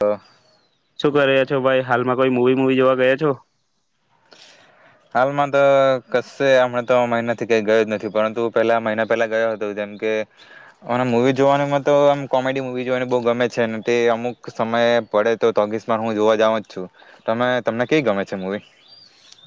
તો શું કર્યા છો ભાઈ હાલમાં કોઈ મુવી મુવી જોવા ગયા છો. હાલમાં તો કશે હમણા તો મહિનાથી કઈ ગયો જ નથી પરંતુ પેલા મહિના પહેલા ગયો હતો જેમ કે અને મવી જોવાનુંમાં તો આમ કોમેડી મુવી જોવાની બહ ગમે છે તે અમુક સમય પડે તો તોગસમા હું જોવા જાઉ જ છું ત તમને કઈ ગમે છે મવી.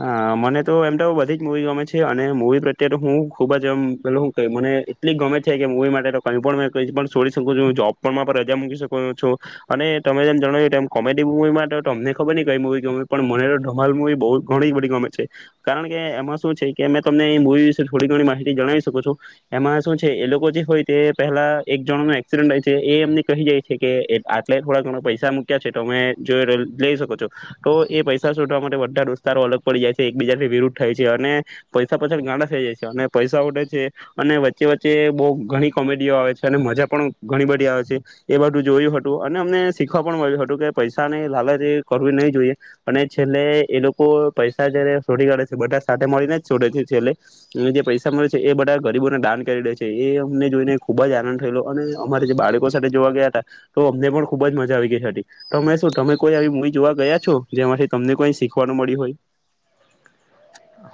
હા મને તો એમ તો બધી જ મુૂવી ગમે છે અને મુવી પ્રત્યે તો હું ખુબ જ એમ પે હું મને એટલી ગમે છે કે મવી માટે તો કઈ પણ કઈ પણ સોડી શકું છું જોબ પણ રજા મૂકી શકો છું અને તમે જેમ જણાવમ કોમેડી મવીમાં તો તમને ખબર નહી કઈ મુવી ગમે પણ મને તો ધમાલ મવી બહુ ઘણીમે કારણ કે એમાં શું છે કે અમે તમને એ મૂવી વિશે થોડી ઘણી માહિતી જણાવી શકો છું એમાં શું છે એ લોકો જે હોય તે પહેલા એક જણ ન એક્સિડન્ટ છે એમને કહી જાય છે કે આટલે થોડા ઘણા પૈસા મૂક્યા છે તો અમે જો તો લઈ શકો છો તો એ પૈસા શોધવા માટે ો અલગ પડી જાય છે એકબીજાથી વિરુદ્ધ થાય છે અને પૈસા પાછળ ગાડા થઈ જાય છે અને પૈસા ઉડે છે અને વચ્ચે વચ્ચે બહુ ઘણી કોમેડીઓ આવે છે અને મજા પણ ઘણી બધી આવે છે એ બધું જોયું હતું અને અમને શીખવા પણ મળ્યું હતું કે પૈસાને લાલચ એ કરવી નહી જોઈએ અને છેલ્લે એ લોકો તો પૈસા જયારે છોડી કાઢે છે બધા સાથે મળીને જ છોડે છે છેલ્લે એ જે પૈસા મળે છે એ બધા ગરીબોને દાન કરી લે છે એ અમને જોઈને ખુબ જ આનંદ થયેલો અને અમારે જે બાળકો સાથે જોવા ગયા હતા તો અમને પણ ખુબ જ મજા આવી ગઈ તમે શું તમે કોઈ આવી મ જોવા ગયા છો જેમાંથી તમને કોઈ શીખો વાનું મળી હોય.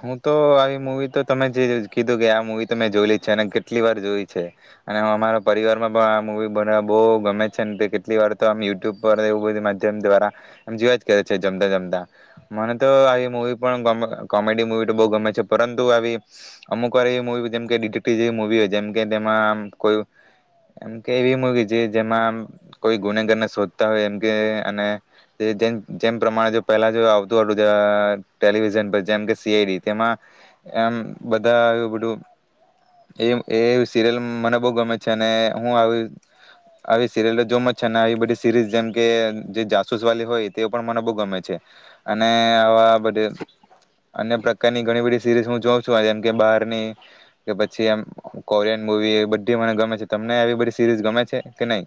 હું તો આવી મુવી તો તમે કીધું કે આ મુવી તો મેં જોઈ લ છે અને કેટલી વાર જોઈ છે અને અમારા પરિવાર માં પણ આ મુવી બન બહુ ગમે છે કેટલી વાર તો યુટ્યુબ પર એવું બધું માધ્યમ દ્વારામ જેવા જ કરે છે જમતા જમતા મને તો આવી મુવી પણ કોમેડી મુવી બો ગમે છે, પરંતુ આવી અમુક વાર એ મુવી જેમકે ડિટેક્ટિવ જેવી મુવી હોય, જેમકે તેમાં આમ કોઈ કે એવી મુવી છે, જેમાં કોઈ ગુનેગરને શોધતા હોય એમ, કે અને જેમ પ્રમાણે જો પહેલા જો આવતું હતું ટેલિવિઝન પર, જેમ કે સી આઈ ડી તેમાં એમ બધા એું બધું એ એ સિરિયલ મને બો ગમે છે અને હું આવી આવી સિરયલ જોમ છે ને આવી બધી સીરીઝ જેમકે જે જાસૂસ વાલી હોય તે પણ મને બી ગમે છે અને આવા બધા કા ની ઘણી બધી સીરીઝ હું જોઉં છું આ, જેમ કે બહારની કે પછી એમ કોરિયન મુવી બધી મને ગમે છે. તમને આવી બધી સીરીઝ ગમે છે કે નઈ?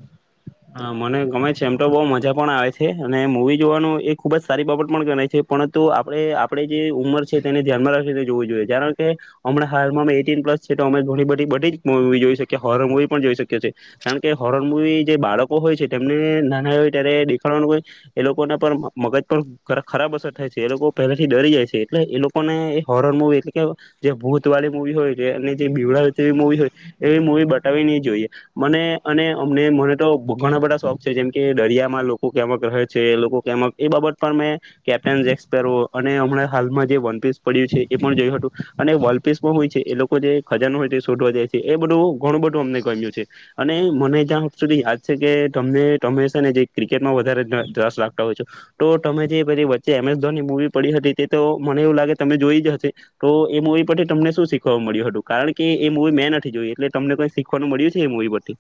હા મને ગમે છે એમતો બો મજા પણ આવે છે અને મૂવી જોવાનું એ ખુબ જ સારી બાબત પણ ગણાય છે, પરંતુ આપડે આપડે જે ઉંમર છે તેને ધ્યાનમાં રાખી જોવું જોઈએ, કારણકે હમણાં હાલમાં મેં એટીન પ્લસ છે, તો અમે ઘણી બધી બધીજ મુવી જોઈ શકીએ, હોરર મુવી પણ જોઈ શકીએ છે, કારણકે હોરર મુવી જે બાળક કો હોય છે, તેમને નાના હોય ત્યારે દેખાડવાનું હોય, એ લોકોને પણ મગજ પણ ખરાબ અસર થાય છે. એ લોકો પહેલા થી ડરી જાય છે, એટલે એ લોકોને એ હોરર મુવી એટલે કે જે ભૂત વાળી મવી હોય, જે બીવડાવ જેવી મુવી હોય એવી મુૂવી બતાવી નઈ જોઈએ. મને અને અમને મને તો ઘણા બધા શોખ છે જેમ કે દરિયામાં લોકો કેમક રહે છે, એ લોકો કેમક એ બાબત પણ મેં કેપ્ટન જૈક સ્પેરો અને હમણા હાલમાં જે વનપીસ પડ્યું છે, એ પણ જોયું હતું. અને વોલપેસમાં હોય છે એ લોકો જે ખજનો હોય તે શોધવા જાય છે, એ બધું ઘણું બધું અમને ગમ્યું છે અને મને જ્યાં સુધી યાદ છે કે તમને તમે છે ને જે ક્રિકેટમાં વધારે રસ રાખતા હોય છો, તો તમે જે પેલી વચ્ચે એમ એસ ધોનની મૂવી પડી હતી તે તો મને એવું લાગે તમે જોઈ જ હશે, તો એ મુવી પરથી તમને શું શીખવા મળ્યું હતું, કારણકે એ મુવી મેં નથી જોય, એટલે તમને કઈ શીખવાનું મળ્યું છે, એ મુવી પરથી?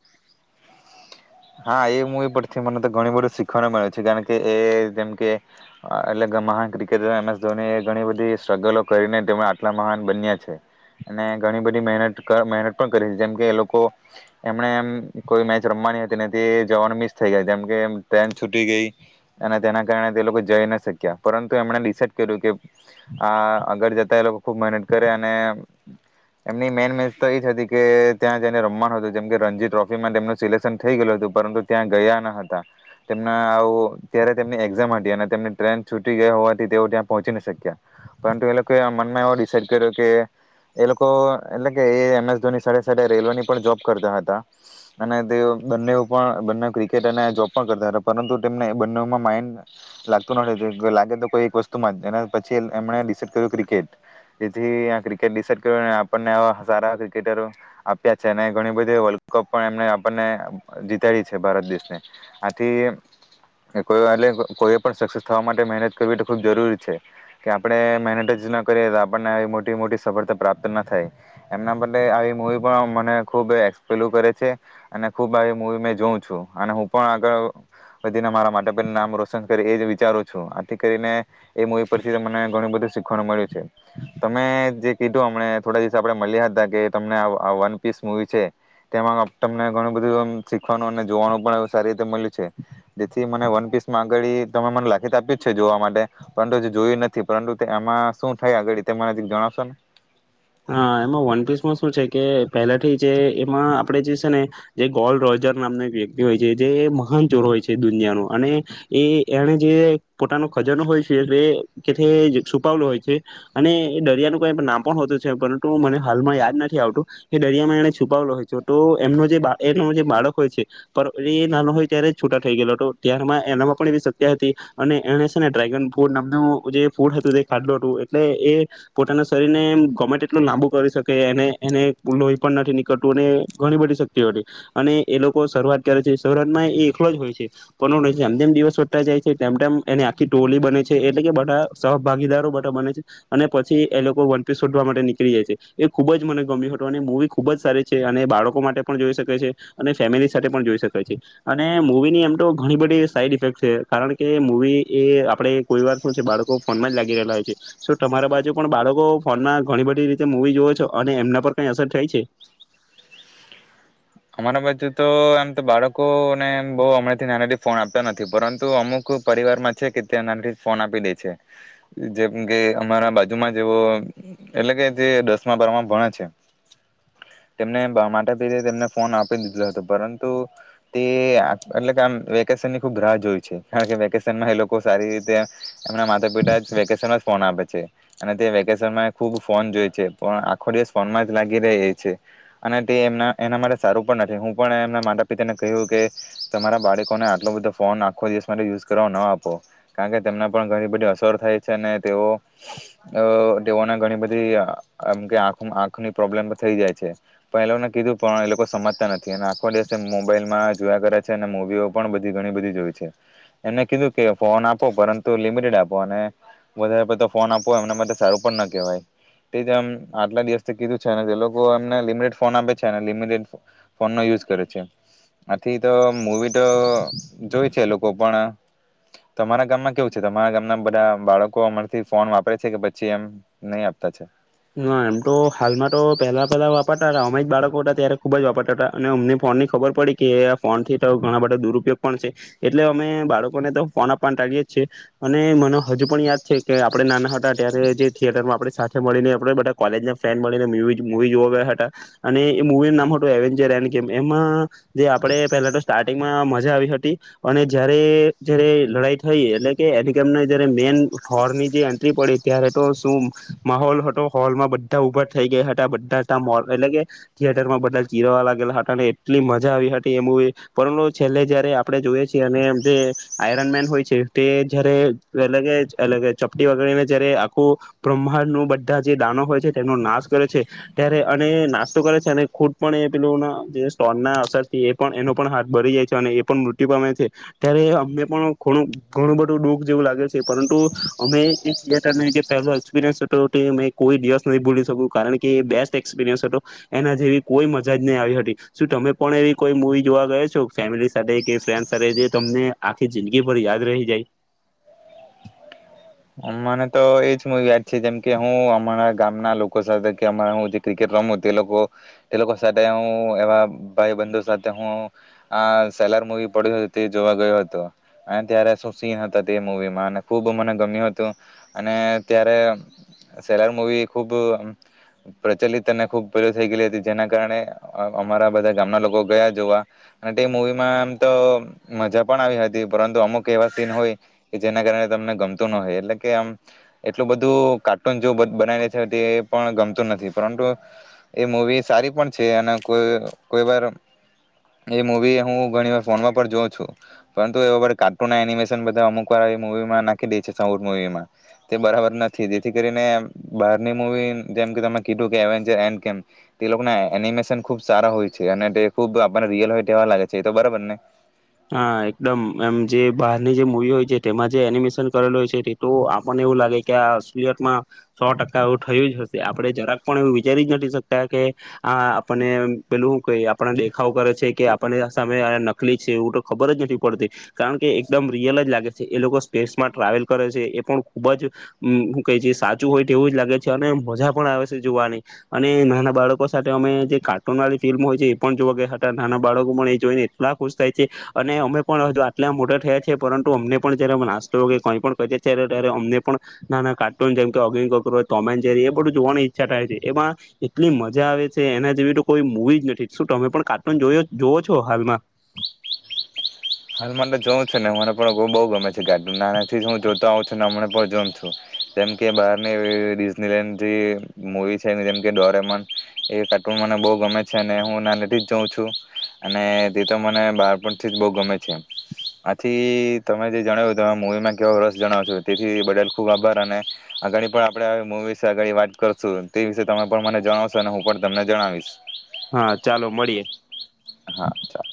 હા, એ મૂવી પરથી મને તો ઘણું બધું શીખવાનું મળે છે, કારણકે એ જેમકે એટલે મહાન ક્રિકેટર એમ એસ ધોની ધણી બધી સ્ટ્રગલો કરીને આટલા મહાન બન્યા છે અને ઘણી બધીત મહેનત પણ કરી છે જેમકે એ લોકો એમનેમ કોઈ મેચ રમવાની હતી ને તે જવાનું મિસ થઈ જાય, જેમકે ટ્રેન છૂટી ગઈ અને તેના કારણે તે લોકો જઈ ન શક્યા, પરંતુ એમણે ડિસાઇડ કર્યું કે આ આગળ જતા એ લોકો ખુબ મહેનત કરે અને એમની મેન મેચ તો એ જ કે ત્યાં જેને રમવાનું હતું જેમકે રણજી ટ્રોફીમાં તેમનું સિલેક્શન થઈ ગયું હતું. પરંતુ ત્યાં ગયા ન હતા, તેમના ત્યારે તેમની એઝામ હતી અને તેમની ટ્રેન છૂટી ગયા હોવાથી તે ત્યાં પહોંચી ન શક્યા પરંતુ એ લોકો મનમાં એવુ ડિસાઇડ કર્યો કે એ લોકો એટલે રેલવેની પણ જોબ કરતા હતા અને તેઓ બને પણ બને ક્રીકેટ અને જોબ પણ કરતા હતા, પરંતુ તેમને એ બનેમાં માઈન્ડ લાગતું ન હતું, લાગે તો કોઈ એક વસ્તુના માંજ, એના પછી એમણે ડિસાઇડ કર્યું કે ક્રીકેટ, જેથી અહીંયા ક્રિકેટ ડિસાઇડ કર્યું અને આપણે આવા સારા ક્રિકેટરો આપ્યા છે ને ઘણી બધી વર્લ્ડકપ પણ એમને આપણે જીતાડી ભારત દેશને, આથી કો એટ કોઈ પણ સક્સેસ થવા માટે મહેનત કરવી એ તો ખૂબ જરૂરી છે, કે આપણે મહેનત જ ના કરીએ તો આપણને મોટી મોટી સફળતા પ્રાપ્ત ના થાય એમના માટે આવી મવી પણ મને ખૂબ એક્સપેલ કરે છે અને ખૂબ આવી મૂવી મે જોઉં છું અને હું પણ આગળ વધીને મારા માટે પર નામ રોશન કરી, એ જ વિચારું છું. આથી કરીને એ મુવી પરથી મને ઘણું બધું શીખવાનું મળ્યું છે. તમે જે કીધુંમ થોડા દિવસ પેહલા આપણે મળ્યા હતા કે તમને આ વન પીસ મુવી છે, તેમાં તમને ઘણું બધું શીખવાનું અને જોવાનું પણ સારી મળ્યું છે, જેથી મને વન પીસમાં અગાળી તમે મને લખી આપ્યું છે, જોવા માટે પરંતુ એ જોયું નથી, પરંતુ તે એમાં શું થાય અગાડી તે મને જણાવશો ને? હા, એમાં વનપિસ માં શું છે કે પહેલાથી જે એમાં આપડે જે છે ને જે ગોલ રોજર નામનો એક વ્યક્તિ હોય છે, જે મહાન ચોર હોય છે, દુનિયાનું અને એ એને જે પોતાનો ખજનો હોય છે, છુપાવેલો હોય છે અને દરિયાનું કઈ નામ પણ હોતું હતું પણ મને હાલમાં યાદ નથી આવતું. એ દરિયામાં એને છુપાવેલો હોય છે, તો એમનો જે એનો જે બાળક હોય છે, એ નાનો હોય ત્યારે છુટા થઈ ગયેલો હતો, ત્યારમાં એનામાં પણ એવી શક્તી હતી અને એને છે ને ડ્રેગન ફૂટ નામનું જે ફૂડ હતું તે ખાધેલું હતું, એટલે એ પોતાના શરીરને ગમે [unintelligible] લાંબુ કરી શકે એને એને લોહી પણ નથી નીકળતું અને ઘણી બધી શક્તિ હો અને એ લોકો શરૂઆત કરે છે શરૂઆતમાં એ એકલો જ હોય છે પ જેમ જેમ દિવસ શોધતા જાય છે તેમ તેમમ એને આખી ટોલી બને છે એટલે કે બધા સહભાગીદારો બધા બને છે અને પછી એ લોકો વનપીસ શોધવા માટે થઇ જાઈ. એ ખુબ જ મને ગમ્યું હતું અને મૂવી ખુબ જ સારી છે અને બાળકો માટે પણ જોઈ શકે છે અને ફેમિલી સાથે પણ જોઈ શકેાય છે અને મૂવીની એમ તો ઘણી બધી સાઈડ ઇફેક્ટ છે કારણ કે મૂવી એ આપણેે કોઈ વાર શું છે બાળકો ફોનમાં જ લાગી રહેલા હોય છે સ તમારા બાજુ પણ બાળકો ફોનમાં ઘણી બધી મવી જો છો અને એમના પર કઈ અસર થાય છે? અમારા બાજુ તો આમ તો બાળકોને બહ હમણાં થી નાનાથી ફોન આપતા નથી પરંતુ અમુક પરિવારમાં છે કે ત્યાં નાનાથી ફોન આપી દે છે. જેમ કે અમારા બાજુમાં જેવો એટલે કે જે દસમા બારમાં ભણે છે તેમને માટે પી તેમને ફોન આપી દીધ હતો પરંતુ તે એટલે કે આમ વેકેશનની ખૂબ રાહ જોઈ છે કારણ કે વેકેશનમાં એ લોકો સારી રીતે એમના માતા પિતા જ વેકેશનમાં ફોન આપે છે અને તે વેકેશનમાં ખૂબ ફોન જોય છે પણ આખો દિવસ ફોનમાં જ લાગી રહે એ છે અને તે એમના એના માટે સારું પણ નથી હું પણ એમના માતા પિતાને કહ્યું કે તમારા બાળકોને આટલો બધો ફોન આખો દિવસ માટે યુઝ કરવા ન આપો કારણ કે તેમને પણ ઘણી બધી અસર થાય છે અને તેઓ તેઓને ઘણી બધીમ કે આંખ આંખની પ્રોબ્લેમ થઈ જાય છે પણ એ લોકોને કીધું પણ એ લોકો સમજતા નથી અને આખો દિવસે મોબાઈલમાં જોયા કરે છે અને મવીઓ પણ બધી ઘણી બધી જોઈ છે એમને કીધું કે ફોન આપો પરંતુ લિમિટેડ આપો અને વધારે પડ ફોન આપો એમને માટે સારું પણ ના કહેવાય તે જમ આટલા દિવસ કીધું છે જે લોકો એમને લિમિટેડ ફોન આપે છે લમટેડ ફોન નો યુઝ કરે છે આથી તો મૂવી તો જોય છે લોકો પણ તમારા ગામમાં કેવું છે તમારા ગામના બધા બાળકો અમારથી ફોન વાપરે છે કે પછી એમ નહી આપતા છે? ના એમ તો હાલમાં તો પેલા પેલા વાપરતા [unintelligible] અમે બાળકો હતા ત્યારે ખુબ જ વાપરતા હતા અને અમને ફોન ની ખબર પડી કે આ ફોન થિયેટર ઘણા બધા દુરુપયોગ પણ છે એટલે અમે બાળકોને તો ફોન આપવા ટાાડીએ જ છીએ અને મને હજુ પણ યાદ છે કે આપડે નાના હતા ત્યારે જે થિયેટર આપણે સાથે મળીને આપડે બધા કોલેજ ફ્રેન્ડ મળીને મવી મવી જોવા ગયા હતા અને એ મવી નામ હતું એવેન્ચર એન કે એમાં જે આપડે પેલા તો સ્ટાર્ટિંગમાં મજા આવી હતી અને જયારે જયારે લડાઈ થઈ એટલે કે એન કેને જયારે મેન હોરની જે એન્ટ્રી પડી ત્યારે તો શું માહોલ હતો હોલમાં બધા ઉભા થઈ ગયા હતા બધા મો એ થિયેટરમાં બધા ચીરાવા લાગેલા હતા અને એટલી મજા આવી હતી એમ પરંતુ છેલ્લે જયારે આપણે જોઈએ છીએ અને જે આયરન મેન હોય છે તે જયારે અગ ચપટી વગડીને જયારે આખું બ્રહ્માંડ નું બધા જે દાનો હોય છે તેનો નાશ કરે છે ત્યારે અને નાસ્તો કરે છે અને ખુદ પણ એ પેના જે સ્ટોન ના અસરથી એ પણ એનો પણ હાથ ભરી જાય છે અને એ પણ મૃત્યુ પામે છે ત્યારે અને પણણું ઘણું બધું દુઃખ જેવું લાગે છે પરંતુ અમે થિયેટર જે પહેલો એક્સપિરયન્સ હતો તે કોઈ દિવસ નહી ભૂલી શકું કારણ કે એ બેસ્ટ એક્સપિરિયન્સ હતો એના જેવી કોઈ મજા જ નહી આવી હતી શું તમે પણ એવી કોઈ મુવી જોવા ગયા છો ફેમિલી સાથે કે ફ્રેન્ડ સાથે જે તમને આખી જિંદગી ભર યાદ રહી જાય? મને તો એજ મુવી યાદ છે જેમકે હું અમારા ગામના લોકો સાથે કે અમા હું જે ક્રિકેટ રમું તે લોકો તે લોકો સાથે હું એવા ભાઈ બંધુ સાથે હું આ સેલર મુવી પડ્યો તે જોવા ગયો હતો અને ત્યારે શું સીન હતા તે મુવીમાં અને ખુબ મને ગમ્યો હતું. તો અને ત્યારે સેલાર મુવી ખુબ પ્રચલિત અને ખુબ પ થઈ ગયલી હતી જેના કારણે અમારા બધા ગામના લોકો ગયા જોવા અને તે મવીમાં આમ તો મજા પણ આવી હતી પરંતુ અમુક એવા સીન હોય કે જેના કારણે તમને ગમતું ન હોય એટ કે આમ એટલું બધું કાર્ટૂન જો બનાવી રે છે એ પણ ગમતું નથી પરંતુ એ મવી સારી પણ છે અને કો કોઈ વાર એ મવી હું ઘણી વાર ફોનમાં પણ જોઉં છું પરંતુ એ કાર્ટૂન એનિમેશન બધા અમુક વાર મુવીમાં નાખી દે છે. મૂવી માં તે બરાબર નથી જેથી કરીને બહારની મવી જેમ કે ત કી કે તેના એનિમેશન ખુબ સારા હોય છે અને તે ખુબ આપણને રિયલ હોય તેવા લાગે છે એ તો બરાબર ને! હા એકદમ એમ જે બહારની જે મુવી હોય છે તેમાં જે એનિમેશન કરેલું હોય છે તે તો આપણને એવું લાગે કે આ અસુલિયટમાં સો ટકા એવું થયું જ હશે આપડણે જરાક પણ એવું વિચારી જ નથી શકતા કે આ આપને પેલું ક આપને દેખાવ કરે છે કે આપણને સામે નકલી એવું તો ખબર જ નથી પડતી કારણ કે એકદમ રિયલ જ લાગે છે એ લોકો સ્પેસમાં ટ્રાવેલ કરે છે એ પણ ખુબ જું કહે છે સાચું હોય તેવું જ લાગે છે અને મજા પણ આવે છે જોવાની અને નાના બાળકો સાથે અમે જે કાર્ટૂન વાળી ફિલ્મ હોય છે એ પણ જોવા હતા નાના બાળકો પણ એ જોઈને એટલા ખુશ થાય છે અને અમે પણ આટલા મોટા થયા છે પરંતુ અમને પણ જયારે નાસ્તો કઈ પણ કહી ત્યારે અમને પણ નાના કાર્ટૂન જેમ અગ તોમેન જેરી એ બધું જોવાની ઈચ્છા થાય છે એમાં એટલી મજા આવે છે એના જેવી તો કોઈ મુવી જ નથી શું તમે પણ કાર્ટૂન જો જોઓ છો હાલમાં? હાલ મા તો જોઉં છે ને મને પણ બઉ ગમે છે કાર્ટુન નાનાથી જ હું જોતો આવઉં છું હમને પણ જોમ છું જેમ કે બહારનીનીડ જે મવી છે જેમ ડોરેમન એ કાર્ટૂન મને બઉ ગમે છે અને હું નાના થી જ જોઉં છું અને તે તો મને બાળ પણથી જ બઉ ગમે છે. આથી તમે જે જણાવ્યું તમે મવીમાં કેવો રસ જણાવ છો તેથી બદલ ખુબ આભાર અને આગડી પણ આપણે મવી વિશે આગળ વાત કરશું તે વિશે તમે પણ મને જણાવશો અને હું પણ તમને જણાવીશ. હા ચાલો મળીએ હા ચાલો.